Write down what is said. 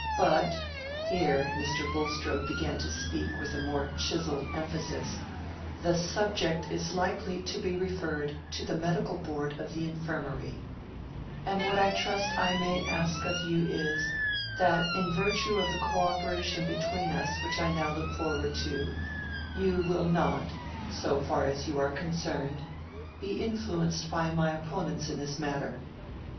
But"—here Mr. Bulstrode began to speak with a more chiselled emphasis—"the subject is likely to be referred to the medical board of the infirmary, and what I trust I may ask of you is, that in virtue of the cooperation between us which I now look forward to, you will not, so far as you are concerned, be influenced by my opponents in this matter."